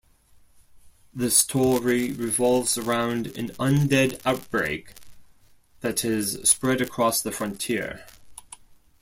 The story revolves around an undead outbreak that has spread across the frontier.